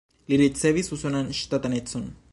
Li ricevis usonan ŝtatanecon.